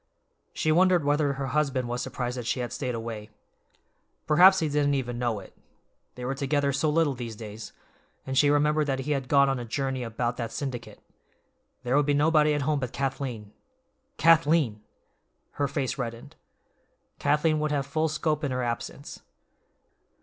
She wondered whether her husband was surprised that she had stayed away. Perhaps he didn't even know it, they were together so little these days, and she remembered that he had gone on a journey about that syndicate. There would be nobody at home but Kathleen. Kathleen! Her face reddened. Kathleen would have full scope in her absence.